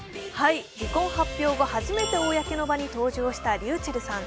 離婚発表後、初めて公の場に登場したｒｙｕｃｈｅｌｌさん。